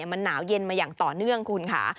มันหนาวเย็นมาอย่างต่อเนื่องคุณค่ะ